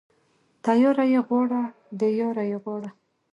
تياره يې غواړه ، د ياره يې غواړه.